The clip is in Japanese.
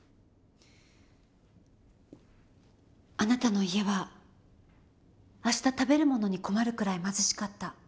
あなたの家は明日食べる物に困るくらい貧しかった。